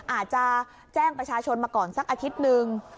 อาจจะแจ้งประชาชนมาก่อนสักอาทิตย์หนึ่ง